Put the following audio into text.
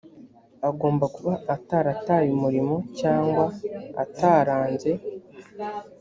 agomba kuba atarataye umurimo cyangwa ataranze.